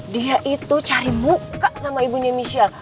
dia itu cari muka sama ibunya michelle